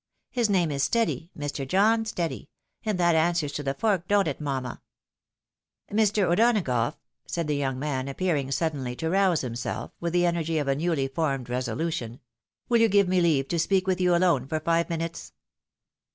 His name is Steady, Mr. John Steady, and that answers to the fork, don't it, mamma ?"" Mr. O'Donagough !" said the young man, appearing sud denly to rouse himself with the energy of a newly formed reso lution, " will you give me leave to speak with you alone for five minutes